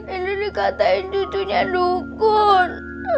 indri dikatain cucunya dukun